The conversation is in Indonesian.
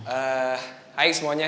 eh hai semuanya